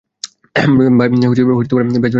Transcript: ভাই, বেসমেন্ট খুলেছে।